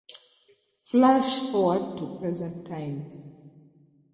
Flash forward to present times.